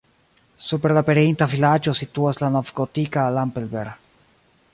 Super la pereinta vilaĝo situas la novgotika Lampelberg.